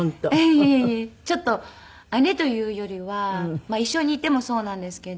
ちょっと姉というよりは一緒にいてもそうなんですけど。